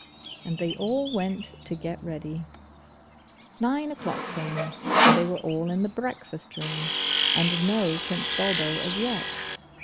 And they all went to get ready. Nine o'clock came, and they were all in the breakfast room, and no Prince Bulbo as yet.